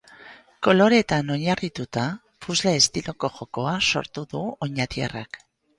Koloreetan oinarrituta, puzzle estiloko jokoa sortu du oñatiarrak.